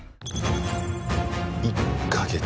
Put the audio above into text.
１か月。